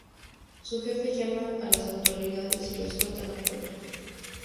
Su jefe llama a las autoridades y lo escoltan afuera.